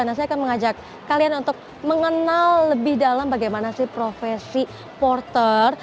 nah saya akan mengajak kalian untuk mengenal lebih dalam bagaimana sih profesi porter